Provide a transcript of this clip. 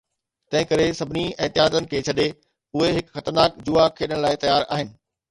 تنهن ڪري، سڀني احتياطن کي ڇڏي، اهي هڪ خطرناڪ جوا کيڏڻ لاء تيار آهن.